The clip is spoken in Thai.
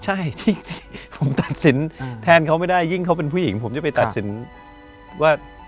ใช่ที่ผมตัดสินแทนเขาไม่ได้ยิ่งเขาเป็นผู้หญิงผมจะไปตัดสินว่า